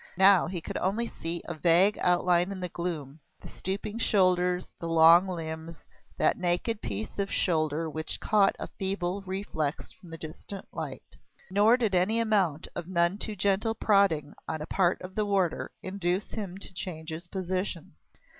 Now he could only see a vague outline in the gloom: the stooping shoulders, the long limbs, that naked piece of shoulder which caught a feeble reflex from the distant light. Nor did any amount of none too gentle prodding on the part of the warder induce him to change his position.